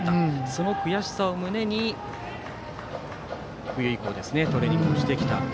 その悔しさを胸に冬以降、トレーニングしてきたと。